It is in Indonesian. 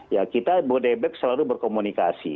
ya kita bodebek selalu berkomunikasi